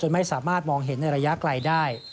ไม่สามารถมองเห็นในระยะไกลได้